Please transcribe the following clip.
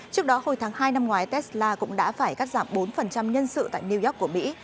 trước đó hồi tháng hai năm ngoái tesla cũng đã phải cắt giảm bốn nhân sự tại new york của mỹ